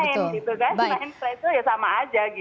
menaik fragile ya sama aja gitu